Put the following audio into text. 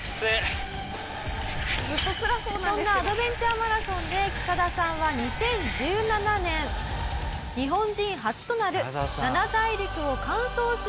そんなアドベンチャーマラソンでキタダさんは２０１７年日本人初となる七大陸を完走する偉業を達成しました。